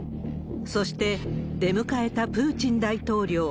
そして、出迎えたプーチン大統領。